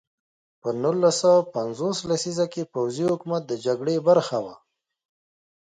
په نولس سوه پنځوس لسیزه کې پوځي حکومت د جګړې برخه وه.